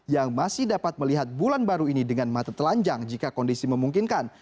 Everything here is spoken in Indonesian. yang masih dapat melihat bulan baru ini dengan mata telanjang jika kondisi memungkinkan